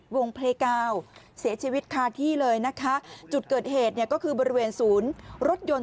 วงเพลยกาวเสียชีวิตคาที่เลยนะคะจุดเกิดเหตุเนี่ยก็คือบริเวณศูนย์รถยนต์